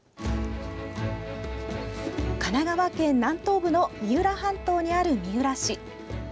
神奈川県南東部の三浦半島にある三浦市。